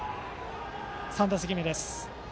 ３打席目です。